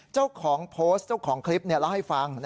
เจ้าของโพสต์เจ้าของคลิปเล่าให้ฟัง